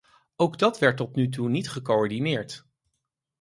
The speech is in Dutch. Ook dat werd tot nu toe niet gecoördineerd.